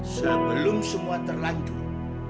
sebelum semua terlanjur